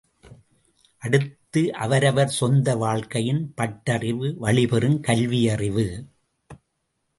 அடுத்து அவரவர் சொந்த வாழ்க்கையின் பட்டறிவு வழி பெறும் கல்வி அறிவு.